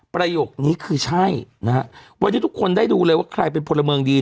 ประโยคนี้คือใช่นะฮะวันนี้ทุกคนได้ดูเลยว่าใครเป็นพลเมืองดี